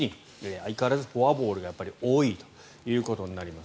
相変わらずフォアボールが多いということになります。